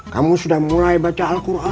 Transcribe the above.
kamu sudah mulai baca al quran